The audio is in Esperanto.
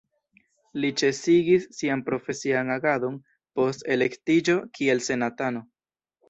Li ĉesigis sian profesian agadon post elektiĝo kiel senatano.